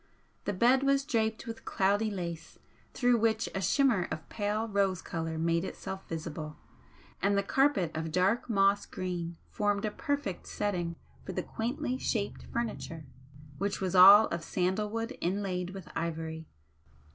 The bed was draped with cloudy lace through which a shimmer of pale rose colour made itself visible, and the carpet of dark moss green formed a perfect setting for the quaintly shaped furniture, which was all of sandal wood inlaid with ivory.